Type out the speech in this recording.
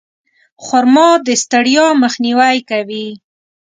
خرما د ستړیا مخنیوی کوي.